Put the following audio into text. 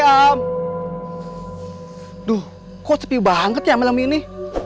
aduh kok sepi banget ya malam ini